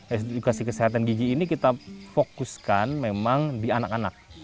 edukasi kesehatan gigi ini kita fokuskan memang di anak anak